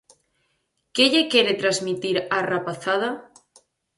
Que lle quere transmitir á rapazada?